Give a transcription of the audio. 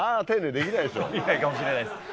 できないかもしれないです。